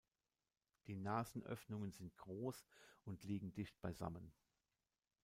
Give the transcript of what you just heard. Die Nasenöffnungen sind groß und liegen dicht beisammen.